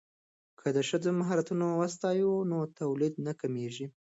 که د ښځو مهارتونه وستایو نو تولید نه کمیږي.